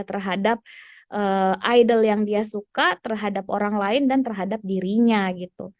terhadap idol yang dia suka terhadap orang lain dan terhadap dirinya gitu